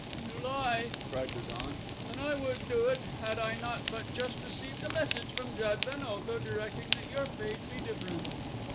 "You lie," cried Lu don, "and I would do it had I not but just received a message from Jad ben Otho directing that your fate be different."